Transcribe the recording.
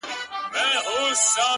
زه چي کور ته ورسمه هغه نه وي؛